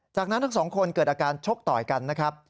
จากนั้นทั้งสองคนเกิดอาการชกต่อยกันนะครับ